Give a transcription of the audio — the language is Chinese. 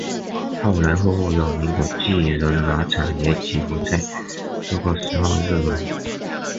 后来赫赫有名的巨人马场也几乎在这个时候入门。